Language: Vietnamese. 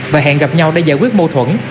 và hẹn gặp nhau để giải quyết mâu thuẫn